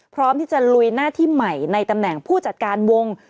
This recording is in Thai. พร้อมที่จะลุยหน้าที่ใหม่ในตำแหน่งผู้จัดการวง